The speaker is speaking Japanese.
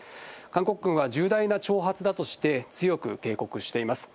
韓国軍は重大な挑発だとして強く警告しています。